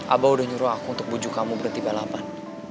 abah udah nyuruh aku untuk buju kamu bertiba lapan